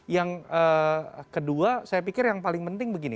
yang kedua saya pikir yang paling penting begini